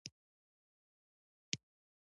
زما د خوښې خواړه لوبيا ده.